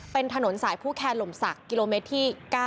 เป็นถนนสายผู้แคร์หล่มศักดิ์กิโลเมตรที่๙